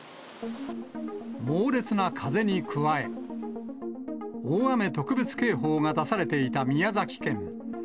猛烈な風に加え、大雨特別警報が出されていた宮崎県。